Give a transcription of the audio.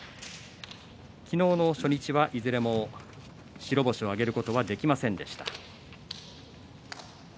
昨日の初日はいずれも白星を挙げることができませんでした。